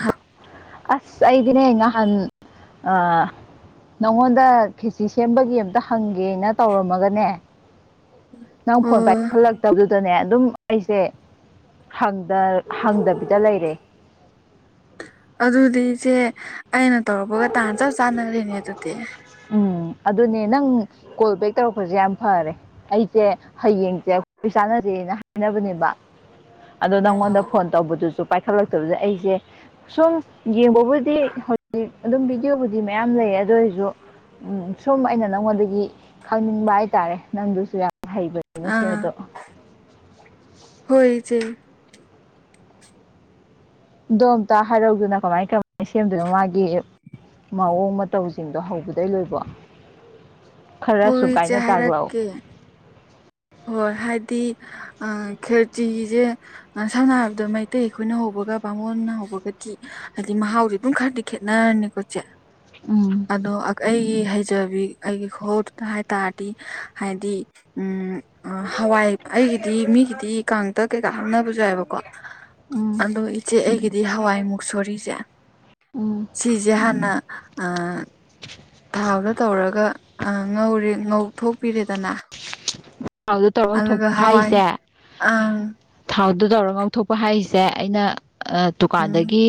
ꯍꯥ ꯑꯁ ꯑꯩꯗꯤꯅꯦ ꯉꯍꯥꯟ ꯑ ꯅꯉꯣꯟꯗ ꯈꯦꯁꯤ ꯁꯦꯝꯕꯒꯤ ꯑꯃꯝꯇ ꯍꯪꯒꯦꯅ ꯇꯧꯔꯝꯃꯒꯅꯦ ꯅꯪ ꯐꯣꯟ ꯑꯣ ꯄꯥꯏꯈꯠꯂꯛꯇꯕꯗꯨꯗꯅꯦ ꯑꯗꯨꯝ ꯑꯩꯁꯦ ꯍꯪ ꯗ ꯍꯪꯗꯕꯤꯗ ꯂꯩꯔꯦ ꯑꯗꯨꯗꯤ ꯏꯆꯦ ꯑꯩꯅ ꯇꯧꯔꯛꯄꯒ ꯇꯥꯟꯥꯟ ꯆꯞ ꯆꯥꯅꯔꯤꯅꯦ ꯑꯗꯨꯗꯤ ꯎꯝ ꯑꯗꯨꯅꯦ ꯅꯪ ꯀꯣꯜ ꯕꯦꯛ ꯇꯧꯔꯛꯄꯁꯦ ꯌꯥꯝ ꯐꯔꯦ ꯑꯩꯁꯦ ꯍꯌꯦꯡꯁꯦ ꯑꯩꯈꯣꯏ ꯆꯥꯟꯅꯁ ꯩꯅ ꯍꯥꯏꯅꯕꯅꯦꯕ ꯑꯗꯣ ꯑ ꯅꯪꯉꯣꯟꯗ ꯐꯣꯟ ꯇꯧꯕꯗꯨꯁꯨ ꯄꯥꯏꯈꯠꯂꯛꯇꯕꯗꯨꯗ ꯑꯩꯁꯦ ꯁꯨꯝ ꯌꯦꯡꯕꯕꯨꯗꯤ ꯍꯧꯖꯤꯛ ꯑꯗꯨꯝ ꯚꯤꯗꯤꯌꯣꯕꯨꯗꯤ ꯃꯌꯥꯝ ꯂꯩ ꯑꯗꯨ ꯑꯣꯏꯖꯨ ꯎꯝ ꯁꯨꯝ ꯑꯩꯅ ꯅꯪꯉꯣꯟꯗꯒꯤ ꯈꯪꯅꯤꯡꯕ ꯍꯥꯏꯇꯥꯔꯦ ꯅꯪꯗꯨꯁꯨ ꯌꯥꯝ ꯍꯩꯕꯅꯤꯅ ꯑꯥ ꯁꯤꯟꯕꯗꯣ ꯍꯣꯏ ꯏꯆꯦ ꯗꯣꯝꯇ ꯍꯥꯏꯔꯧꯗꯅꯥ ꯀꯃꯥꯏ ꯀꯃꯥꯏ ꯁꯦꯝꯗꯨꯏꯅꯣ ꯃꯥꯒꯤ ꯃꯋꯣꯡ ꯃꯇꯧꯖꯤꯡꯗꯣ ꯍꯧꯕꯗꯩ ꯂꯣꯏꯕꯧ ꯈꯔ ꯍꯣꯏ ꯏꯆꯦ ꯁꯨꯒꯥꯢꯅ ꯇꯥꯛꯂꯧ ꯍꯥꯏꯔꯛꯀꯦ ꯍꯣꯏ ꯍꯥꯏꯗꯤ ꯑ ꯈꯦꯔꯆꯤꯖꯦ ꯑ ꯁꯝꯅ ꯍꯥꯏꯕꯗ ꯃꯩꯇꯩ ꯑꯩꯈꯣꯏꯅ ꯍꯧꯕ ꯍꯧꯕꯒ ꯕꯥꯃꯣꯟꯅ ꯍꯧꯕꯒꯗꯤ ꯍꯥꯏꯗꯤ ꯃꯍꯥꯎꯗꯤ ꯑꯗꯨꯝ ꯈꯔꯗꯤ ꯈꯦꯠꯅꯔꯅꯤꯀꯣ ꯆꯦ ꯎꯝ ꯑꯗꯣ ꯑꯛ ꯑꯩ ꯒꯤ ꯍꯩꯖꯕꯤ ꯑꯩꯒꯤ ꯍꯣꯜꯗ ꯍꯥꯏ ꯇꯥꯔꯗꯤ ꯍꯥꯏꯗꯤ ꯎꯝ ꯑ ꯍꯋꯥꯏ ꯑꯩꯒꯤꯗꯤ ꯃꯤꯒꯤꯗꯤ ꯀꯥꯡꯇꯛ ꯀꯩꯀꯥ ꯍꯥꯞꯅꯕꯖꯨ ꯌꯥꯎꯋꯦꯕꯀꯣ ꯎꯝ ꯑꯗꯣ ꯏꯆꯦ ꯑꯩꯒꯤꯗꯤ ꯍꯋꯥꯏ ꯃꯨꯛꯁꯣꯔꯤꯖꯦ ꯎꯝ ꯁꯤꯖꯦ ꯍꯥꯟꯅ ꯑ ꯑꯥ ꯉꯧꯔꯦ ꯉꯧꯊꯣꯛꯄꯤꯔꯦꯗꯅ ꯊꯥꯎꯗ ꯇꯧꯔ ꯉꯧꯊꯣꯛ ꯑꯗꯨꯒ ꯍꯋꯥꯏ ꯍꯥꯏꯖꯦ ꯑꯪ ꯊꯥꯎ ꯗꯨ ꯇꯧꯔ ꯉꯧꯊꯣꯛꯄ ꯍꯥꯏꯖꯦ ꯑꯩꯅ ꯑ ꯎꯝ ꯗꯨꯀꯥꯟꯗꯒꯤ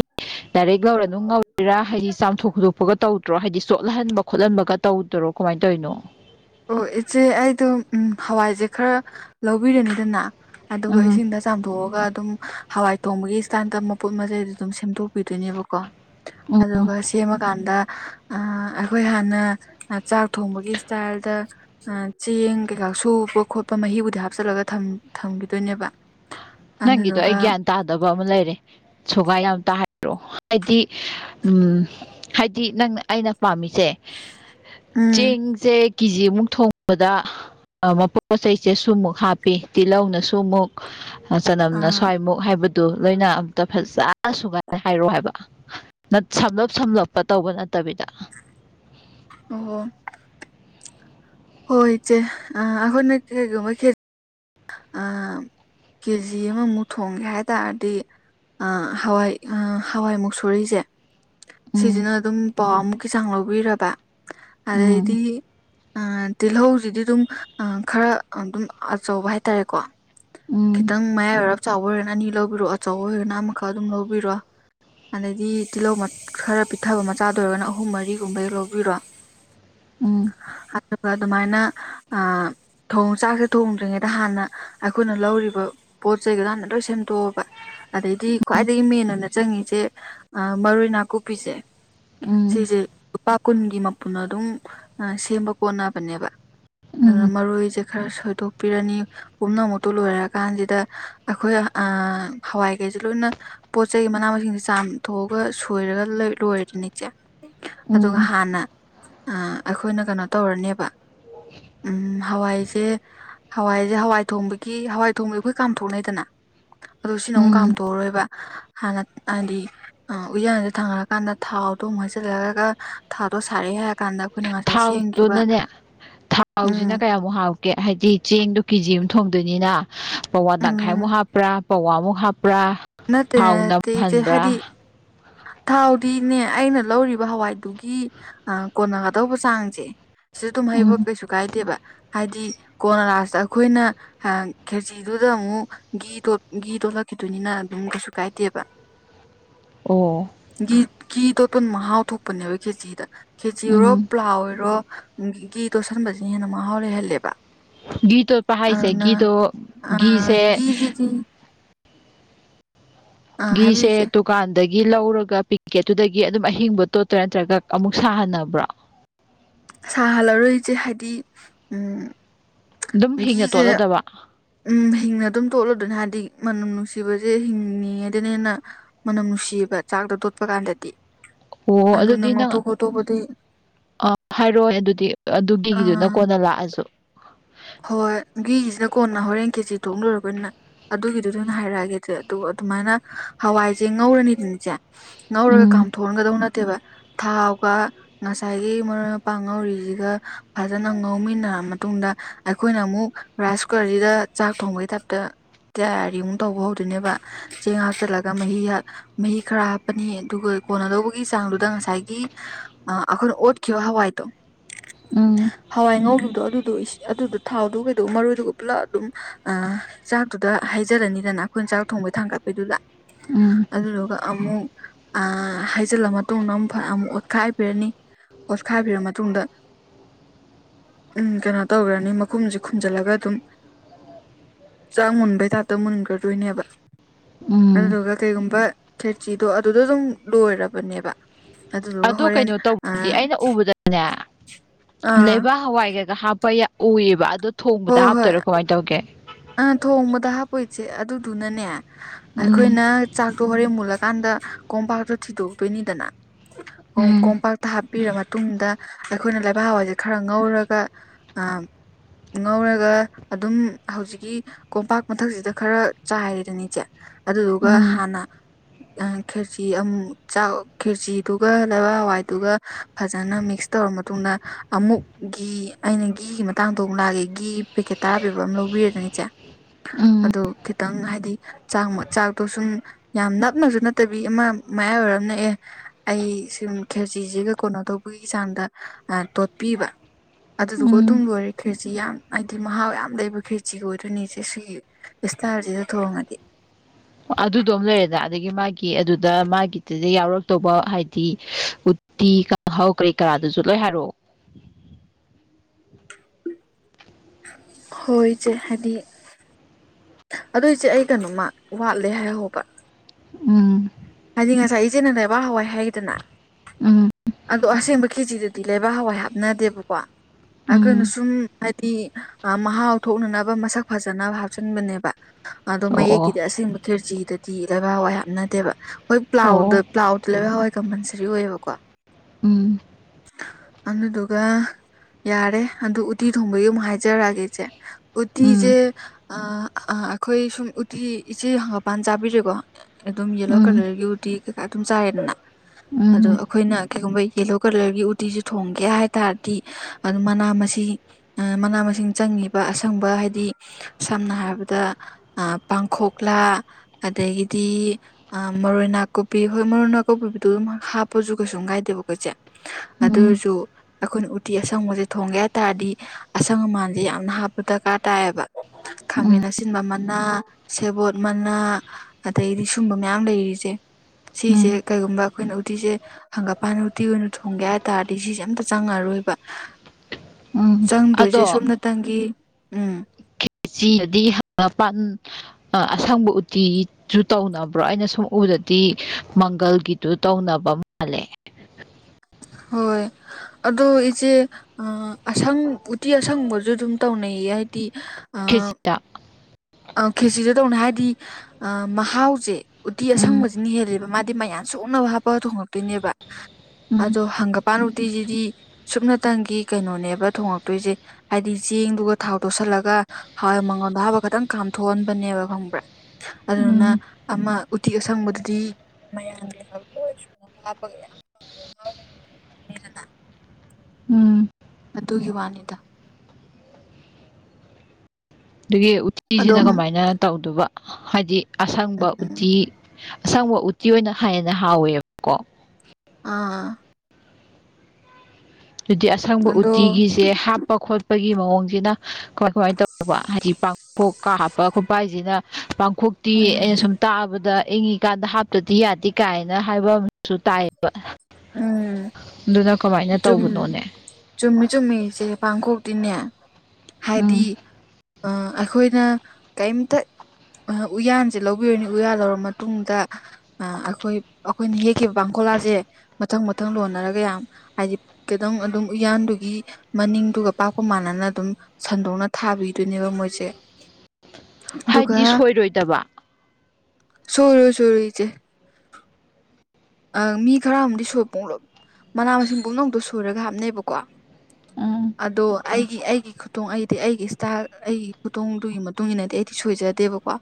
ꯗꯥꯏꯔꯦꯛ ꯂꯧꯔ ꯗꯨꯝ ꯉꯧꯔꯤꯔꯥ ꯍꯥꯏꯗꯤ ꯆꯥꯝꯊꯣꯛ ꯈꯣꯇꯣꯛꯄꯒ ꯇꯧ ꯗ꯭ꯔꯣ ꯍꯥꯏꯗꯤ ꯆꯣꯠꯂꯍꯟꯕ ꯈꯣꯠꯍꯟꯕꯒ ꯇꯧꯗ꯭ꯔꯣ ꯀꯃꯥꯏ ꯇꯧꯔꯤꯅꯣ ꯑꯣ ꯏꯆꯦ ꯑꯩꯗꯣ ꯎꯝ ꯍꯋꯥꯏꯖꯦ ꯈꯔ ꯂꯧꯕꯤꯔꯅꯤꯗꯅ ꯑꯗꯨꯒ ꯎꯝ ꯏꯁꯤꯡꯗ ꯆꯥꯝꯊꯣꯛꯑꯒ ꯑꯗꯨꯝ ꯍꯋꯥꯏ ꯊꯣꯡꯕꯒꯤ ꯏ꯭ꯀꯥꯟꯇ ꯃꯄꯣꯠ ꯃꯆꯩꯗꯨꯖꯨ ꯑꯗꯨꯝ ꯁꯦꯝꯇꯣꯛꯄꯤꯗꯨꯏꯅꯦꯕꯀꯣ ꯎꯝ ꯑꯗꯨꯒ ꯁꯦꯝꯃꯀꯥꯟꯗ ꯑ ꯑꯩꯈꯣꯏ ꯍꯥꯟꯅ ꯆꯥꯛ ꯊꯣꯡꯕꯒꯤ ꯏꯁꯇꯥꯏꯜ ꯇ ꯑ ꯆꯦꯡ ꯀꯩꯀꯥ ꯁꯨꯕ ꯈꯣꯠꯄ ꯃꯍꯤꯕꯨꯗꯤ ꯍꯥꯞꯆꯜꯂꯒ ꯊꯝ ꯊꯝꯒꯤꯗꯨꯏꯅꯦꯕ ꯅꯪꯒꯤꯗꯣ ꯑꯩ ꯒ꯭ꯌꯥꯟ ꯇꯥꯗꯕ ꯑꯃ ꯂꯩꯔꯦ ꯁꯣꯒꯥꯏ ꯌꯥꯝ ꯇꯥ ꯍꯥꯢ ꯔꯣ ꯑꯥꯏꯗꯤ ꯎꯝ ꯍꯥꯏꯗꯤ ꯅꯪꯅ ꯑꯩꯅ ꯄꯥꯝꯃꯤꯁꯦ ꯎꯝ ꯆꯦꯡꯖꯦ ꯀꯦꯖꯤꯃꯨꯛ ꯊꯣꯡꯕꯗ ꯑ ꯃꯄꯣꯠ ꯃꯆꯩꯆꯦꯁꯨ ꯑꯃꯨꯛ ꯍꯥꯞꯄꯤ ꯇꯤꯜꯂꯧꯅꯁꯨ ꯑꯃꯨꯛ ꯃ ꯆꯅꯝꯅ ꯑꯥ ꯁ꯭ꯋꯥꯏꯃꯨꯛ ꯍꯥꯏꯕ ꯗꯨ ꯂꯣꯏꯅꯥ ꯑꯝꯇ ꯐꯖꯅ ꯁꯨꯒꯥꯏꯅ ꯍꯥꯏꯔꯣ ꯍꯥꯏꯕ ꯅꯠ ꯁꯝꯂꯞ ꯁꯝꯂꯞꯄ ꯇꯧꯕ ꯅꯠꯇ ꯇꯕꯤꯗ ꯑꯣ ꯍꯣꯏ ꯏꯆꯦ ꯑ ꯑꯈꯣꯏꯅ ꯀꯩꯒꯨꯝꯕ ꯈꯦ ꯑ ꯀꯦ ꯖꯤ ꯑꯃꯃꯨꯛ ꯊꯣꯡꯒꯦ ꯍꯥꯏ ꯇꯥꯔꯗꯤ ꯑ ꯍꯋꯥꯏ ꯑ ꯍꯋꯥꯏ ꯃꯨꯛꯁꯣꯔꯤꯖꯦ ꯎꯝ ꯁꯤꯖꯤꯅ ꯑꯗꯨꯝ ꯄꯋꯥ ꯑꯃꯨꯛꯀꯤ ꯆꯥꯡ ꯂꯧꯕꯤꯔꯕ ꯑꯗꯩꯗꯤ ꯎꯝ ꯑ ꯇꯤꯜꯍꯧꯖꯤꯗꯤ ꯑꯗꯨꯝ ꯑ ꯈꯔ ꯑꯗꯨꯝ ꯑꯆꯧꯕ ꯍꯥꯏꯇꯥꯔꯦꯀꯣ ꯎꯝ ꯈꯤꯇꯪ ꯃꯌꯥꯏ ꯑꯣꯏꯔꯞ ꯆꯥꯎꯕ ꯑꯣꯏꯔꯅ ꯑꯅꯤ ꯂꯧꯕꯤꯔꯣ ꯑꯆꯧꯕ ꯑꯣꯏꯔꯒꯅ ꯑꯃꯈꯛ ꯑꯗꯨꯝ ꯂꯧꯕꯤꯔꯣ ꯑꯗꯩꯗꯤ ꯇꯤꯜꯂꯧ ꯃ ꯈꯔ ꯄꯤꯛꯊꯕ ꯃꯆꯥꯗꯣ ꯑꯣꯏꯔꯒꯅ ꯑꯍꯨꯝ ꯃꯔꯤꯒꯨꯝꯕꯩ ꯂꯧꯕꯤꯔꯣ ꯎꯝ ꯑꯗꯨꯒ ꯑꯗꯨꯃꯥꯏꯅ ꯑꯥ ꯊꯣꯡ ꯆꯥꯛꯁꯦ ꯊꯣꯡ ꯗ꯭ꯔꯤꯉꯩꯗ ꯍꯥꯟꯅ ꯑꯩꯈꯣꯏꯅ ꯂꯧꯔꯤꯕ ꯄꯣꯠ ꯆꯩꯒꯗꯣ ꯍꯥꯟꯅ ꯂꯣꯏ ꯁꯦꯝꯇꯣꯛꯑꯕ ꯑꯗꯩꯗꯤ ꯈ꯭ꯋꯥꯏꯗꯒꯤ ꯃꯦꯟ ꯑꯣꯏꯅ ꯆꯪꯉꯤꯖꯦ ꯑ ꯃꯔꯣꯏ ꯅꯥꯀꯨꯞꯄꯤꯖꯦ ꯎꯝ ꯁꯤꯖꯦ ꯂꯨꯄꯥ ꯀꯨꯟꯒꯤ ꯃꯄꯨꯟ ꯑꯗꯨꯝ ꯑ ꯁꯦꯝꯕ ꯀꯣꯟꯅꯕꯅꯦꯕ ꯑꯗꯨꯅ ꯎꯝ ꯃꯔꯣꯏꯖꯦ ꯈꯔ ꯁꯣꯏꯗꯣꯛ ꯄꯤꯔꯅꯤ ꯄꯨꯝꯅꯃꯨꯛꯇꯨ ꯂꯣꯏꯔꯀꯥꯟꯖꯤꯗ ꯑꯩꯈꯣꯏ ꯑ ꯍꯋꯥꯏꯒꯩꯖꯦ ꯂꯣꯏꯅ ꯄꯣꯠ ꯆꯩ ꯃꯅꯥ ꯃꯁꯤꯡꯁꯦ ꯆꯥꯝꯊꯣꯛꯑꯒ ꯁꯣꯏꯔꯒ ꯂꯣꯏꯔꯦꯗꯅꯦ ꯏꯆꯦ ꯑꯗꯨꯒ ꯎꯝ ꯍꯥꯟꯅ ꯑ ꯑꯩꯈꯣꯏꯅ ꯀꯩꯅꯣ ꯇꯧꯔꯅꯦꯕ ꯎꯝ ꯍꯋꯥꯏꯁꯦ ꯍꯋꯥꯏꯁꯦ ꯍꯋꯥꯏ ꯊꯣꯡꯕꯒꯤ ꯍꯋꯥꯏ ꯊꯣꯡꯕꯒꯤ ꯑꯩꯈꯣꯏ ꯀꯥꯝꯊꯣꯛꯅꯩꯗꯅ ꯑꯗ ꯁꯤꯅ ꯑꯃꯨꯛ ꯎꯝ ꯀꯥꯝꯊꯣꯛꯑꯔꯣꯏꯕ ꯍꯥꯟꯅ ꯍꯥꯏꯗꯤ ꯎꯌꯥꯟꯗ ꯊꯥꯡꯅꯔꯀꯥꯟꯗ ꯊꯥꯎ ꯊꯥꯎꯗꯣ ꯑꯃꯨꯛ ꯍꯩꯖꯤꯜꯂꯒ ꯊꯥꯗꯣ ꯁꯥꯔꯦ ꯍꯥꯏꯔ ꯀꯥꯟꯗ ꯑꯩꯈꯣꯏꯅ ꯉꯁꯥꯏ ꯁꯦꯝꯈꯤꯕ ꯊꯥꯎꯗꯨꯣꯅꯅꯦ ꯊꯥꯎꯁꯤꯅ ꯎꯝ ꯀꯌꯥꯃꯨꯛ ꯍꯥꯎꯀꯦ ꯍꯥꯏꯗꯤ ꯆꯦꯡꯗꯣ ꯀꯦꯖꯤ ꯑꯃ ꯊꯣꯡꯗꯣꯏꯅꯤꯅ ꯄꯋꯥ ꯇꯪꯈꯥꯏꯃꯨꯛ ꯎꯝ ꯍꯥꯞꯄ꯭ꯔꯥ ꯄꯋꯥꯃꯨꯛ ꯍꯥꯞꯄ꯭ꯔꯥ ꯅꯠꯇꯦꯅꯦ ꯊꯥꯎ ꯅꯠꯇꯦ ꯏꯆꯦ ꯍꯥꯏꯗꯤ ꯅꯝꯍꯟꯕ꯭ꯔꯥ ꯊꯥꯎꯗꯤꯅꯦ ꯑꯩꯅ ꯂꯧꯔꯤꯕ ꯍꯋꯥꯏꯗꯨꯒꯤ ꯑ ꯀꯣꯟꯅꯒꯗꯧꯕ ꯆꯥꯡꯁꯦ ꯁꯤꯗ ꯑꯗꯨꯝ ꯍꯩꯕ ꯎꯝ ꯀꯩꯁꯨ ꯀꯥꯏꯗꯦꯕ ꯍꯥꯏꯗꯤ ꯀꯣꯟꯅ ꯂꯁꯇ ꯑꯩꯈꯣꯏꯅ ꯍꯥ ꯈꯦꯆꯗꯨꯗ ꯑꯃꯨꯛ ꯘꯤ ꯘꯤ ꯇꯣꯂꯛ ꯗꯨꯅꯤꯅ ꯑꯗꯨꯝ ꯀꯩꯁꯨ ꯀꯥꯏꯗꯦꯕ ꯑꯣ ꯒꯤ ꯇꯣꯄꯟ ꯃꯍꯥꯎ ꯊꯣꯛꯄꯅꯦꯕ ꯈꯦꯆꯤꯗ ꯈꯦꯆꯤ ꯑꯣꯏꯔꯣ ꯎꯝ ꯄ꯭ꯂꯥꯎ ꯑꯣꯏꯔꯣ ꯒꯤ ꯇꯣꯠꯁꯟꯕꯁꯤꯅ ꯍꯦꯟꯅ ꯃꯍꯥꯎ ꯂꯩꯍꯜꯂꯦꯕ ꯘꯤ ꯇꯣꯠꯄ ꯍꯥꯏꯁꯦ ꯑꯅ ꯘꯤꯗꯣ ꯑ ꯘꯤꯁꯦ ꯒꯤꯖꯤꯗꯤ ꯑꯥ ꯍꯥꯏꯕꯤꯌꯨ ꯒꯤꯁꯦ ꯏꯆꯦ ꯇꯨ ꯀꯥꯟꯗꯩ ꯒꯤ ꯂꯧꯔꯒ ꯄꯤꯀꯦꯠꯇꯨꯗꯒꯤ ꯑꯗꯨꯝ ꯑꯍꯤꯡꯕ ꯇꯣꯠꯇ꯭ꯔꯥ ꯅꯠꯇ꯭ꯔꯒ ꯑꯃꯨꯛ ꯁꯥꯍꯟꯅꯕ꯭ꯔꯣ ꯁꯥꯍꯜꯂꯔꯣꯏ ꯏꯆꯦ ꯍꯥꯏꯗꯤ ꯎꯝ ꯑꯗꯨꯝ ꯍꯤꯡꯅ ꯘꯤꯁꯦ ꯇꯣꯠꯂꯗꯕ ꯎꯝ ꯍꯤꯡꯅ ꯑꯗꯨꯝ ꯇꯣꯠꯂꯨꯗꯣꯏꯅꯦ ꯍꯥꯏꯗꯤ ꯃꯅꯝ ꯅꯨꯡꯁꯤꯕꯁꯦ ꯍꯤꯡꯉꯉꯗꯅ ꯍꯦꯟꯅ ꯃꯅꯝ ꯅꯨꯡꯁꯤꯕ ꯆꯥꯛꯇ ꯇꯣꯠꯄ ꯀꯥꯟꯗꯗꯤ ꯑꯣ ꯑꯗꯨꯅ ꯑꯗꯨꯗꯤ ꯅꯪ ꯉꯧꯊꯣꯛ ꯈꯣꯠꯇꯣꯛꯄꯗꯤ ꯑ ꯍꯥꯏꯔꯛꯑꯣ ꯑꯗꯨꯗꯤ ꯑꯗꯨꯒꯤꯒꯤꯗꯨꯅ ꯑꯥ ꯀꯣꯟꯅ ꯂꯥꯛꯑꯁꯨ ꯍꯣꯏ ꯒꯤꯁ ꯁꯤꯗ ꯀꯣꯟꯅ ꯍꯣꯔꯦꯟ ꯀꯦꯖꯤ ꯊꯣꯛꯂꯔꯕꯅꯤꯅ ꯑꯗꯨꯒꯤꯗꯨꯗ ꯑꯣꯏꯅ ꯍꯥꯏꯔꯛꯑꯒꯦꯁ ꯑꯗꯨ ꯑꯗꯨꯃꯥꯏꯅ ꯍꯋꯥꯏꯁꯦ ꯁꯤꯦ ꯉꯧꯔꯅꯤꯗꯅꯤꯆꯦ ꯉꯧꯔꯒ ꯀꯥꯝ ꯎꯝ ꯊꯣꯛꯍꯟꯒꯗꯧ ꯅꯠꯇꯦꯕ ꯊꯥꯎꯒ ꯉꯁꯥꯏꯒꯤ ꯃꯔꯣꯏ ꯃꯄꯥꯡ ꯉꯧꯔꯤꯁꯤꯒ ꯐꯖꯅ ꯉꯧꯃꯤꯟꯅꯔ ꯃꯇꯨꯡꯗ ꯑꯩꯈꯣꯏꯅ ꯑꯃꯨꯛ ꯔꯥꯏꯁ ꯀꯨꯀꯔꯁꯤꯗ ꯆꯥꯛ ꯊꯣꯡꯕꯒꯤ ꯇꯥꯏꯞꯇ ꯇꯌꯥꯔꯤꯃꯨꯛ ꯇꯧꯕ ꯍꯧꯗꯣꯏꯅꯦꯕ ꯆꯦꯡ ꯍꯥꯞꯆꯜꯂꯒ ꯃꯍꯤ ꯃꯍꯤ ꯈꯔ ꯍꯥꯞꯄꯅꯤ ꯑꯗꯨꯒ ꯀꯣꯟꯅꯗꯧꯕꯒꯤ ꯆꯥꯡꯗꯨꯗ ꯉꯁꯥꯏꯒꯤ ꯑꯥ ꯑꯩꯈꯣꯏꯅ ꯑꯣꯠꯈꯤꯕ ꯍꯋꯥꯏꯗꯣ ꯎꯝ ꯍꯋꯥꯏ ꯉꯧꯕꯗꯣ ꯑꯗꯨꯗꯣ ꯑꯗꯨꯗ ꯊꯥꯎꯗꯨ ꯀꯩꯗ ꯃꯔꯣꯏꯗꯨꯒ ꯄꯨꯂꯞ ꯑꯗꯨꯝ ꯑ ꯆꯥꯛꯇꯨꯗ ꯍꯥꯏꯩꯖꯔꯅꯤꯗꯅ ꯑꯩꯈꯣꯏꯅ ꯆꯥꯛ ꯊꯣꯡꯕꯩ ꯊꯥꯡꯒꯠ ꯗꯨꯗ ꯎꯝ ꯑꯗꯨꯗꯨꯒ ꯑꯃꯨꯛ ꯑꯥ ꯍꯩꯖꯤꯜꯂ ꯃꯇꯨꯡꯗ ꯑꯃꯨꯛ ꯑꯃꯨꯛ ꯑꯣꯠꯈꯥꯏꯕꯤꯔꯅꯤ ꯑꯣꯠꯈꯥꯏꯕꯤꯔ ꯃꯇꯨꯡꯗ ꯎꯝ ꯀꯩꯅꯣ ꯇꯧꯈ꯭ꯔꯅꯤ ꯃꯈꯨꯝꯁꯦ ꯈꯨꯝꯖꯤꯜꯂꯒ ꯑꯗꯨꯝ ꯆꯥꯛ ꯃꯨꯟꯕꯩ ꯇꯥꯞꯇ ꯃꯨꯟꯈ꯭ꯔꯗꯣꯏꯅꯦꯕ ꯎꯝ ꯑꯗꯨꯗꯨꯒ ꯀꯩꯒꯨꯝꯕ ꯈꯦꯆꯗꯣ ꯑꯗꯨꯗ ꯑꯗꯨꯝ ꯂꯣꯏꯔꯕꯅꯦꯕ ꯑꯗꯨꯗꯨꯒ ꯑꯗꯣ ꯍꯣꯔꯦꯟ ꯀꯩꯅꯣ ꯇꯧꯕꯗꯤ ꯑꯥ ꯑꯩꯅ ꯎꯕꯗꯅꯦ ꯑꯥ ꯂꯩꯕꯥꯛ ꯍꯋꯥꯏꯒꯩꯒ ꯍꯥꯞꯄ ꯎꯏꯑꯕ ꯑꯗꯣ ꯊꯣꯡꯕꯗ ꯍꯣꯏ ꯍꯣꯏ ꯍꯥꯞꯇꯣꯏꯔꯣ ꯀꯃꯥꯏꯅ ꯇꯧꯒꯦ ꯑꯥ ꯊꯣꯡꯕꯗ ꯍꯥꯞꯄꯣꯏ ꯏꯆꯦ ꯑꯗꯨꯗꯨꯅꯅꯦ ꯎꯝ ꯑꯩꯈꯣꯏꯅ ꯆꯥꯛꯇꯣ ꯍꯣꯔꯦꯟ ꯃꯨꯜꯂꯛ ꯀꯥꯟꯗ ꯀꯣꯝꯄꯥꯛꯇ ꯊꯤꯗꯣꯛꯇꯣꯏꯅꯤꯗꯅ ꯎꯝ ꯀꯣꯝꯄꯥꯛꯇ ꯍꯥꯄ ꯄꯤꯔ ꯃꯇꯨꯡꯗ ꯑꯩꯈꯣꯏꯅ ꯂꯩꯕꯥꯛ ꯍꯋꯥꯁꯦ ꯈꯔ ꯉꯧꯔꯒ ꯑꯥ ꯉꯧꯔꯒ ꯑꯗꯨꯝ ꯍꯧꯖꯤꯛꯀꯤ ꯀꯣꯝꯄꯥꯛ ꯃꯊꯛꯁꯤꯗ ꯈꯔ ꯆꯥꯏꯔꯦꯗꯅ ꯏꯆꯦ ꯑꯗꯨꯗꯨꯒ ꯎꯝ ꯍꯥꯟꯅ ꯈꯦꯔꯆꯤ ꯑꯃꯨꯛ ꯈꯦꯔꯆꯤꯗꯨꯒ ꯂꯩꯕꯥꯛ ꯍꯋꯥꯏꯗꯨꯒ ꯐꯖꯅ ꯃꯤꯛꯁ ꯇꯧ ꯇꯧꯔꯕ ꯃꯇꯨꯡꯗ ꯑꯃꯨꯛ ꯘꯤ ꯑꯩꯅ ꯘꯤꯒꯤ ꯃꯇꯥꯡꯗ ꯑꯃꯨꯛ ꯂꯑꯒꯦ ꯘꯤ ꯄꯦꯀꯦꯠ ꯇꯔꯥ ꯄꯤꯕ ꯑꯃ ꯂꯧ ꯕꯤꯔꯦꯗꯅ ꯏꯆꯦ ꯎꯝ ꯑꯗꯨ ꯈꯤꯇꯪ ꯍꯥꯏꯗꯤ ꯆꯥꯛ ꯆꯥꯛꯇꯣ ꯁꯨꯝ ꯌꯥꯝ ꯅꯞꯅꯁꯨ ꯅꯠꯇꯕꯤ ꯑꯃ ꯃꯌꯥꯏ ꯑꯣꯏꯔꯝꯅ ꯑꯦ ꯑꯩ ꯁꯨꯝ ꯈꯦꯆꯁꯤꯒ ꯀꯩꯅꯣ ꯇꯧꯕꯒꯤ ꯆꯥꯡꯗ ꯇꯣ ꯄꯤꯕ ꯑꯗꯨꯗꯨꯒ ꯇꯨꯡ ꯎꯝ ꯂꯣꯏꯔꯦ ꯈꯔꯁꯤ ꯌꯥꯝ ꯍꯥꯏꯗꯤ ꯃꯍꯥꯎ ꯌꯥꯝ ꯂꯩꯕ ꯈꯤꯔꯆ ꯆꯤꯒ ꯑꯣꯏꯗꯅꯤꯁꯦ ꯁꯤꯒꯤ ꯕꯤꯁꯇꯥꯜꯁꯤꯗ ꯊꯣꯡꯉꯗꯤ ꯑꯗꯨꯗꯣ ꯑꯃ ꯂꯩꯔꯦꯗꯅ ꯑꯗꯒꯤ ꯃꯥꯒꯤ ꯑꯗꯨꯗ ꯃꯥꯒꯤꯗꯨꯗ ꯌꯥꯎꯔꯛꯇꯧꯕ ꯍꯥꯏꯗꯤ ꯎꯠꯇꯤ ꯀꯥꯡꯍꯥꯎ ꯀꯔꯤ ꯀꯔꯥ ꯑꯗꯨꯖꯨ ꯂꯣꯏ ꯍꯔꯛꯑꯣ [inaudible] ꯍꯣꯏ ꯏꯆꯦ ꯍꯥꯏꯗꯤ ꯑꯗꯨ ꯏꯆꯦ ꯑꯩ ꯀꯩꯅꯣꯃ ꯋꯥꯠꯂꯦ ꯍꯥꯏꯍꯧꯕ ꯎꯝ ꯍꯥꯏꯗꯤ ꯉꯁꯥꯏ ꯏꯆꯦ ꯅꯪ ꯂꯩꯕꯥꯛ ꯍꯋꯥꯏ ꯍꯥꯏꯒꯤꯗꯅ ꯎꯝ ꯑꯗꯣ ꯑꯁꯦꯡꯕ ꯈꯦꯠꯖꯤꯗꯗꯤ ꯂꯩꯕꯥꯛ ꯍꯋꯥꯏ ꯍꯥꯞꯅꯗꯦꯕꯀꯣ ꯑꯗꯨꯅ ꯎꯝ ꯁꯨꯝ ꯃꯍꯥꯎ ꯊꯣꯛꯅꯅꯕ ꯃꯁꯛ ꯐꯖꯅꯕ ꯍꯥꯞꯆꯤꯟꯕꯅꯦꯕ ꯑꯗꯣ ꯑꯣ ꯑꯣ ꯃꯌꯦꯛꯀꯤꯗꯤ ꯑꯁꯦꯡꯕ ꯈꯦꯔꯆꯤꯗꯗꯤ ꯂꯩꯕꯥꯛ ꯋꯥꯏ ꯍꯥꯞꯅꯗꯦꯕ ꯍꯣꯏ ꯄ꯭ꯂꯥꯎꯗ ꯑꯣ ꯄ꯭ꯂꯥꯎꯗ ꯂꯩꯕ ꯍꯋꯥꯏ ꯀꯝꯄꯜꯁꯔꯤ ꯑꯣꯏꯌꯦꯕꯀꯣ ꯎꯝ ꯑꯗꯨ ꯗꯨꯒ ꯌꯥꯔꯦ ꯑꯗꯨ ꯎꯠꯇꯤ ꯊꯣꯡꯕꯒꯤ ꯑꯃꯨꯛ ꯍꯥꯏꯖꯔꯛꯑꯒꯦ ꯏꯆꯦ ꯎꯠꯇꯤꯁꯦ ꯎꯝ ꯑꯥ ꯑꯥ ꯑꯩꯈꯣꯏ ꯁꯨꯝ ꯎꯇꯤ ꯏꯆꯦ ꯍꯪꯒꯄꯥꯟ ꯆꯥꯕꯤꯔꯦꯀꯣ ꯑꯗꯨꯝ ꯌꯦꯜꯂꯣ ꯎꯝ ꯀꯂꯔꯒꯤ ꯎꯇꯤ ꯀꯩꯀꯥ ꯑꯗꯨꯝ ꯆꯥꯔ ꯗꯅ ꯑꯗꯣ ꯎꯝ ꯑꯩꯈꯣꯏꯅ ꯀꯩꯒꯨꯝꯕ ꯌꯦꯂꯣ ꯀꯂꯔꯒꯤ ꯎꯇꯤꯁꯨ ꯊꯣꯡꯒꯦ ꯍꯥꯏ ꯇꯥꯔꯗꯤ ꯑꯗꯨ ꯃꯅꯥ ꯃꯁꯤꯡ ꯃꯁꯤꯡ ꯃꯁꯤꯡ ꯆꯪꯉꯤꯕ ꯑꯁꯪꯕ ꯍꯥꯏꯗꯤ ꯁꯝꯅ ꯍꯥꯏꯔꯕꯗ ꯄꯥꯡꯈꯣꯛꯂꯥ ꯑꯗꯒꯤꯗꯤ ꯑꯥ ꯃꯔꯣꯏ ꯅꯥꯀꯨꯞꯄꯤ ꯍꯣꯏ ꯃꯔꯣꯏ ꯅꯥꯀꯨꯞꯄꯤꯕꯨꯗꯨ ꯍꯥꯞꯄꯁꯨ ꯀꯩꯁꯨꯝ ꯀꯥꯏꯦ ꯀꯥꯏꯗꯦꯕ ꯀꯣ ꯏꯆꯦ ꯑꯗꯨꯏꯁꯨ ꯑꯩꯈꯣꯏꯅ ꯎꯇꯤ ꯑꯁꯪꯕꯁꯦ ꯊꯣꯡꯒꯦ ꯍꯥꯏ ꯇꯥꯔꯗꯤ ꯑꯁꯪ ꯑꯃꯥꯟꯁꯦ ꯌꯥꯝꯅ ꯍꯥꯞꯄ ꯗꯔꯀꯥꯔ ꯇꯥꯏꯌꯦꯕ ꯎꯝ ꯎꯝ ꯈꯥꯃꯦꯟ ꯑꯁꯤꯟꯕ ꯃꯅꯥ ꯁꯦꯕꯣꯠ ꯃꯅꯥ ꯑꯗꯩꯗꯤ ꯁꯨꯝꯕ ꯃꯌꯥꯝ ꯂꯩꯔꯤ ꯏꯆꯦ ꯁꯤꯁꯦ ꯎꯝ ꯀꯩꯒꯨꯝꯕ ꯑꯩꯈꯣꯏꯅ ꯎꯇꯤꯁꯦ ꯍꯪꯒ ꯍꯪꯒꯥꯝꯄꯥꯂ ꯅꯨꯨꯇꯤ ꯑꯣꯏꯅ ꯊꯣꯡꯒꯦ ꯍꯥꯏ ꯇꯥꯔꯗꯤ ꯁꯤꯁꯦ ꯑꯝꯇ ꯆꯪꯉꯔꯣꯏꯕ ꯎꯝ ꯆꯪꯗꯣꯏꯁꯦ ꯑꯗꯣ ꯁꯨꯞꯅꯇꯪꯒꯤ ꯎꯝ ꯆꯤꯗꯗꯤ ꯄꯥꯟ ꯑꯁꯪꯕ ꯎꯇꯤꯁꯨꯨ ꯇꯧꯅꯕ꯭ꯔꯣ ꯑꯩꯅ ꯁꯨꯝ ꯎꯗ ꯗꯗꯤ ꯃꯪꯒꯜꯒꯤꯗꯨ ꯇꯧꯅꯕ ꯃꯥꯜꯂꯦ ꯍꯣꯏ ꯑꯗꯣ ꯏꯆꯦ ꯑꯁꯪ ꯎꯇꯤ ꯑꯁꯪꯕꯁꯨ ꯑꯗꯨꯝ ꯇꯧꯅꯩꯌꯦ ꯍꯥꯏꯗꯤ ꯈꯦꯠꯆꯤꯗ ꯑꯥ ꯈꯦꯁꯤꯗ ꯇꯧꯅꯤ ꯍꯥꯏꯗꯤ ꯃꯍꯥꯎꯁꯦ ꯎꯇꯤ ꯎꯝ ꯑꯁꯪꯕꯁꯤꯅ ꯍꯦꯜꯂꯦꯕ ꯃꯥ ꯗꯤ ꯃꯌꯥꯝ ꯁꯣꯛꯅꯕ ꯍꯥꯞꯄꯒ ꯊꯣꯡꯉꯛꯇꯣꯏꯅꯦꯕ ꯎꯝ ꯑꯗꯣ ꯍꯪꯒꯄꯥꯟ ꯔꯨꯇꯤꯁꯤꯗꯤ ꯁꯨꯞꯅꯇꯪꯒꯤ ꯀꯩꯅꯣꯅꯦꯕ ꯊꯣꯡꯉꯛꯇꯣꯏꯁꯦ ꯍꯥꯏꯗꯤ ꯆꯦꯡꯗꯨꯒ ꯊꯥꯎ ꯇꯣꯠꯁꯤꯜꯂꯒ ꯍ ꯃꯉꯣꯟꯗꯣ ꯍꯥꯕ ꯈꯛꯇꯪ ꯀꯥꯝꯊꯣꯛꯍꯟꯕꯅꯦꯕ ꯈꯪꯕ꯭ꯔꯥ ꯑꯗꯨꯅ ꯎꯝ ꯑꯃ ꯎꯇꯤ ꯑꯁꯪꯕꯗꯨꯗꯤ ꯃꯌꯥꯝꯒꯤ ꯌꯥꯝ [unintelligible] ꯎꯝ ꯑꯗꯨꯒꯤ ꯋꯥꯅꯤꯗ ꯗꯨꯒꯤ ꯎꯠꯇꯤꯁꯤꯅ ꯑꯗꯨꯝ ꯀꯃꯥꯏꯅ ꯇꯧꯗꯨꯕ ꯍꯥꯏꯗꯤ ꯑꯁꯪꯕ ꯎꯝ ꯎꯠꯇꯤ ꯑꯁꯪꯕ ꯎꯇꯤ ꯑꯣꯏꯅ ꯍꯥꯏꯟꯅ ꯍꯥꯎꯋꯦꯕꯀꯣ ꯑꯥ ꯑꯗꯨꯗꯤ ꯑꯁꯪꯕ ꯑꯗꯣ ꯎꯇꯤꯒꯤꯁꯦ ꯍꯥꯞꯄ ꯈꯣꯠꯄꯒꯤ ꯃꯑꯣꯡꯁꯤꯅ ꯀꯃꯥꯏ ꯀꯃꯥꯏ ꯇꯧꯕ ꯍꯥꯏꯗꯤ ꯄꯥꯡꯈꯣꯛꯀꯥ ꯍꯥꯞꯄ ꯈꯣꯠꯄ ꯍꯥꯏꯁꯤꯅ ꯄꯥꯡ ꯈꯣꯛꯇꯤ ꯎꯝ ꯑꯩꯅ ꯁꯨꯝ ꯇꯥꯛꯕꯗ ꯏꯪꯉꯤꯀꯥꯟꯗ ꯍꯥꯞꯇꯗꯤ ꯌꯥꯗꯦ ꯀꯥꯏꯅ ꯍꯥꯏꯕ ꯑꯃ ꯁꯨ ꯇꯥꯏꯌꯦꯕ ꯎꯝ ꯑꯗꯨꯅ ꯀꯃꯥꯏꯅ ꯆꯨꯝ ꯇꯧꯕꯅꯣꯅꯦ ꯆꯨꯝꯃꯤ ꯆꯨꯝꯃꯤ ꯏꯆꯦ ꯄꯥꯡꯈꯣꯛꯇꯤꯅꯦ ꯍꯥꯏꯗꯤ ꯎꯝ ꯑꯥ ꯑꯩꯈꯣꯏꯅ ꯀꯩꯝꯇ ꯎꯌꯥꯟꯁꯦ ꯂꯧꯕꯤꯔꯅꯤ ꯎꯌꯥꯟ ꯂꯧꯔ ꯃꯇꯨꯡꯗ ꯑ ꯑꯩꯈꯣꯏ ꯑꯩꯈꯣꯏꯅ ꯍꯦꯛ ꯈꯤꯕ ꯄꯥꯡꯈꯣꯛꯂꯥꯁꯦ ꯃꯊꯪ ꯃꯊꯪ ꯂꯣꯟꯅꯔꯒ ꯌꯥꯝ ꯍꯥꯏꯗꯤ ꯈꯤꯇꯪ ꯑꯗꯨꯝ ꯎꯌꯥꯟꯗꯨꯒꯤ ꯃꯅꯤꯡꯗꯨꯒ ꯄꯥꯛꯄ ꯃꯥꯟꯅꯅ ꯑꯗꯨꯝ ꯁꯟꯗꯣꯛꯅ ꯊꯥꯕꯤ ꯗꯨꯅꯦꯕ ꯃꯣꯢꯁꯦ ꯍꯥꯏꯗꯤ ꯁꯣꯏꯔꯣꯏꯗꯕ ꯁꯣꯢꯔꯣꯏ ꯁꯣꯢꯔꯣꯢ ꯏꯆꯦ ꯑ ꯃꯤ ꯈꯔ ꯑꯃꯗꯤ ꯁꯣꯏꯕ ꯄꯨꯡꯂꯣꯞ ꯃꯅꯥ ꯃꯁꯤꯡ ꯄꯨꯝꯅꯛꯇꯣ ꯁꯣꯏꯔꯒ ꯍꯥꯞꯅꯩꯑꯦꯕꯀꯣ ꯎꯝ ꯑꯗꯣ ꯑꯩꯒꯤ ꯑꯩꯒꯤ ꯈꯨꯊꯣꯡ ꯑꯩꯗꯤ ꯑꯩꯒꯤ ꯏꯁꯇꯥꯏꯜ ꯑꯩꯒꯤ ꯈꯨꯊꯣꯡꯗꯨꯒꯤ ꯃꯇꯨꯡ ꯏꯟꯅꯗꯤ ꯑꯩꯗꯤ ꯁꯣꯢ ꯁꯣꯏꯖꯗꯦꯕꯀꯣ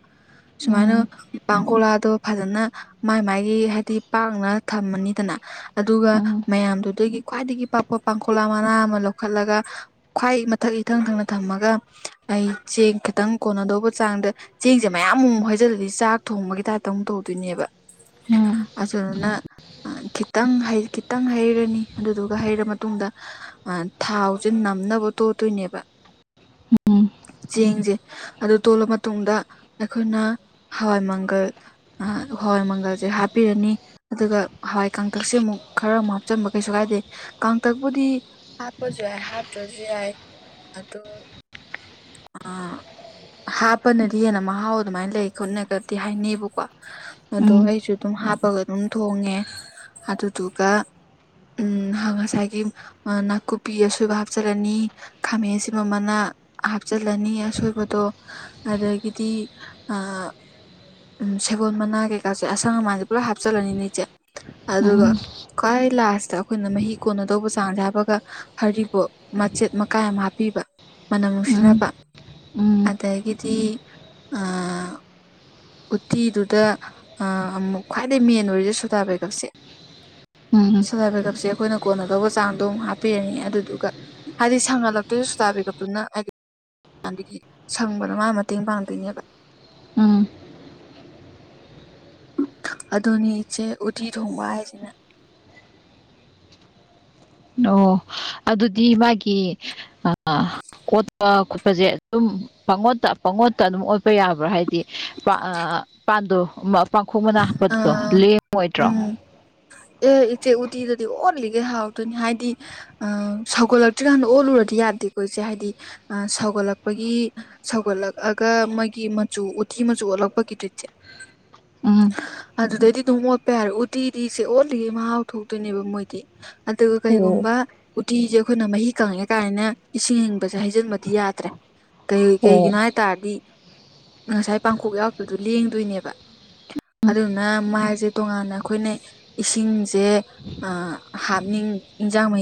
ꯁꯨꯃꯥꯏꯅ ꯎꯝ ꯄꯥꯡꯈꯣꯂꯥꯗꯣ ꯐꯖꯅ ꯃꯥꯏ ꯃꯥꯥꯏꯒꯤ ꯍꯥꯏꯗꯤ ꯄꯥꯛꯅ ꯊꯝꯃꯅꯤꯗꯅ ꯑꯗꯨꯒ ꯎꯝ ꯃꯌꯥꯝꯗꯨꯗꯒꯤ ꯈ꯭ꯋꯥꯏꯗꯒꯤ ꯄꯥꯛꯄ ꯄꯥꯡꯈꯣꯂꯥ ꯃꯅꯥ ꯑꯃ ꯂꯧ ꯂꯧꯈꯠꯂꯒ ꯈ꯭ꯋꯥꯏ ꯃꯊꯛ ꯏꯊꯪ ꯊꯪꯅ ꯊꯝꯃꯒ ꯑꯩ ꯆꯦꯡ ꯈꯤꯇꯪ ꯀꯣꯟꯅꯗꯧꯕ ꯆꯥ ꯡꯗ ꯆꯦꯡꯁꯦ ꯃꯌꯥꯝ ꯑꯃꯨꯛ ꯍꯩꯖꯤꯜꯂꯗꯤ ꯆꯥꯛ ꯊꯣꯡꯕꯒꯤ ꯇꯥꯏꯞꯇ ꯑꯃꯨꯛ ꯇꯧꯗꯣꯏꯅꯦꯕ ꯎꯝ ꯑꯗꯨꯗꯨꯅ ꯈꯤꯇꯪ ꯈꯤꯇꯪ ꯍꯩꯔꯅꯤ ꯑꯗꯨꯗꯨꯒ ꯍꯩꯔ ꯃꯇꯨꯡꯗ ꯊꯥꯎꯁꯦ ꯅꯝꯅꯕ ꯇꯣꯠꯇꯣꯏꯅꯦꯕ ꯎꯝ ꯆꯦꯡꯁꯦ ꯑꯗꯨ ꯇꯣꯠꯂ ꯃꯇꯨꯡꯗ ꯑꯩꯈꯣꯏꯅ ꯍꯋꯥꯏ ꯃꯪꯒꯜ ꯍꯣꯏ ꯃꯪꯒꯜꯁꯦ ꯍꯥꯞ ꯄꯤꯔꯅꯤ ꯑꯗꯨꯒ ꯍꯋꯥꯏ ꯀꯥꯡꯇꯛꯁꯦ ꯑꯃꯨꯛ ꯈꯔ ꯑꯃꯨꯛ ꯍꯥꯞꯆꯤꯟꯕ ꯀꯩꯁꯨ ꯀꯥꯏꯗꯦ ꯀꯥꯡꯇꯛꯄꯨꯗꯤ ꯍꯥꯞꯄꯖꯨ ꯌꯥꯢ ꯍꯥꯞꯇ꯭ꯔꯖꯨ ꯌꯥꯥꯏ ꯑꯗꯨ ꯑ ꯍꯥꯞꯄꯅꯗꯤ ꯍꯦꯟꯅ ꯃꯍꯥꯎ ꯑꯗꯨꯃꯥꯏꯅ ꯂꯩ ꯈꯣꯠꯅꯒꯗꯤ ꯍꯥꯏꯅꯩꯕꯀꯣ ꯑꯗꯣ ꯎꯝ ꯑꯩꯁꯨ ꯑꯗꯨꯝ ꯍꯥꯞꯄꯒ ꯑꯗꯨꯝ ꯊꯣꯡꯉꯦ ꯑꯗꯨꯗꯨꯒ ꯎꯝ ꯉꯁꯥꯏꯒꯤ ꯅꯥꯀꯨꯞꯄꯤ ꯑꯁꯣꯏꯕ ꯍꯥꯞꯆꯤꯜꯂꯅꯤ ꯈꯥꯃꯦꯟ ꯑꯁꯤꯟꯕ ꯃꯅꯥ ꯍꯥꯞꯆꯤꯜꯂꯅꯤ ꯑꯁꯣꯏꯕꯗꯣ ꯑꯗꯒꯤꯗꯤ ꯑ ꯎꯝ ꯁꯦꯕꯣꯠ ꯃꯅꯥ ꯀꯩꯀꯥꯁꯦ ꯑꯁ ꯑꯁꯪ ꯑꯃꯥꯟꯁꯦ ꯄꯨꯂꯞ ꯍꯥꯞꯆꯤꯜꯂꯅꯤꯅ ꯏꯆꯦ ꯑꯗꯨꯒ ꯎꯝ ꯈ꯭ꯋꯥꯏ ꯂꯥꯁ ꯇ ꯑꯩꯈꯣꯏꯅ ꯃꯍꯤ ꯀꯣꯟꯅ ꯗꯧꯕ ꯆꯥꯡꯁꯦ ꯍꯥꯞꯄꯒ ꯍꯔꯤꯕꯣꯞ ꯃꯆꯦꯠ ꯃꯀꯥꯏ ꯑꯃ ꯍꯥꯞꯄꯤꯕ ꯃꯅꯝ ꯅꯨꯡꯁꯤꯟꯅꯕ ꯎꯝ ꯑꯗꯒꯤꯗꯤ ꯑ ꯎꯇꯤꯗꯨꯗ ꯑꯃꯨꯛ ꯈ꯭ꯋꯥꯏꯗꯩ ꯃꯦꯟ ꯑꯣꯏꯔꯤꯁꯦ ꯁꯨꯗꯥꯕꯩꯒꯞꯁꯦ ꯎꯝ ꯁꯣꯗꯥ ꯕꯥꯢꯒꯞꯁꯦ ꯑꯩꯈꯣꯏꯅ ꯀꯣꯟꯅꯗꯧꯕ ꯆꯥꯡꯗꯣ ꯑꯃꯨꯛ ꯍꯥꯞꯄꯤꯔꯅꯤ ꯑꯗꯨꯗꯨꯒ ꯍꯥꯏꯗꯤ ꯁꯪꯍꯜꯂꯛꯇꯣꯏꯁꯨ ꯁꯣꯗꯥꯕꯥꯢꯒꯞ ꯇꯨꯅ ꯍꯥꯏꯗꯤ ꯗꯒꯤ ꯁꯪꯕꯗ ꯃꯥꯅ ꯃꯇꯦꯡ ꯄꯥꯡꯗꯣꯏꯅꯦꯕ [inaudible] ꯎꯝ ꯑꯗꯨꯅꯤ ꯏꯆꯦ ꯎꯠꯇꯤ ꯊꯣꯡꯕ ꯍꯥꯏꯁꯤꯅ ꯑꯣ ꯑꯗꯨꯗꯤ ꯃꯥꯒꯤ ꯑꯥ ꯀꯣꯠꯄ ꯈꯣꯠꯄꯁꯦ ꯑꯗꯨꯝ ꯄꯪꯉꯣꯠꯇ ꯄꯪꯉꯣꯠꯇ ꯑꯗꯨꯝ ꯑꯣꯠꯄ ꯌꯥꯕ꯭ꯔꯥ ꯍꯥꯏ ꯑꯥ ꯄꯥꯟꯗꯣ ꯄꯥꯡꯈꯣꯛ ꯃꯅꯥ ꯑ ꯍꯥꯞꯄꯗꯣ ꯂꯦꯡꯉꯣꯏꯗ꯭ꯔꯣ ꯎꯝ ꯑꯦ ꯏꯆꯦ ꯎꯇꯤꯗꯗꯤ ꯑꯣꯠꯂꯤ ꯒꯩ ꯍꯥꯎꯗꯣꯢꯅꯦ ꯍꯥꯏꯗꯤ ꯑꯥ ꯁꯧꯒꯠꯂꯛꯇ꯭ꯔꯤ ꯀꯥꯟꯗ ꯑꯣꯠꯂꯨꯔꯗꯤ ꯌꯥꯗꯦꯀꯣ ꯏꯆꯦ ꯍꯥꯏꯗꯤ ꯁꯧ ꯒꯠꯂꯛꯄꯒꯤ ꯁꯧꯒꯠꯂꯛꯑꯒ ꯃꯣꯏꯒꯤ ꯃꯆꯨ ꯎꯊꯤ ꯃꯆꯨ ꯑꯣꯜꯂꯛꯄꯒꯤ ꯗ꯭ꯔꯤꯠꯁꯦ ꯎꯝ ꯑꯗꯨꯗꯩꯗꯤ ꯑꯗꯨꯝ ꯑꯣꯠꯄ ꯌꯥꯔꯦ ꯎꯠꯇꯤꯗꯤ ꯁꯦ ꯑꯣꯠꯂꯤꯉꯪ ꯃꯍꯥꯎ ꯊꯣꯛꯇꯣꯏꯅꯦꯕ ꯃꯣꯏꯗꯤ ꯑꯗꯨꯒ ꯎꯝ ꯀꯩꯒꯨꯝꯕ ꯎꯇꯤꯁꯦ ꯑꯩꯈꯣꯏꯅ ꯃꯍꯤ ꯀꯪꯉꯦ ꯀꯥꯏꯅꯅꯦ ꯏꯁꯤꯡ ꯑꯌꯤꯡꯕꯁꯦ ꯍꯖꯤꯟꯕ ꯗꯤ ꯌꯥꯗ꯭ꯔꯦ ꯀꯩ ꯑꯣ ꯀꯩꯒꯤꯅꯣ ꯍꯥꯏꯇꯥꯔꯗꯤ ꯉꯁꯥꯏ ꯄꯥꯡꯈꯣꯛ ꯌꯥꯎꯈꯤꯕꯗꯨꯣ ꯂꯦꯡꯗꯣꯏꯅꯦꯕ ꯑꯗꯨꯗꯨꯅ ꯃꯥꯁꯦ ꯇꯣꯉꯥꯟꯅ ꯑꯩꯈꯣꯏꯅ ꯏꯁꯤꯡꯁꯦ ꯑꯥ ꯍꯥꯞꯅꯤꯡ ꯏꯟꯖꯥꯡ ꯃꯍꯤ